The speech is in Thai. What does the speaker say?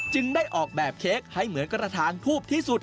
ได้ออกแบบเค้กให้เหมือนกระถางทูบที่สุด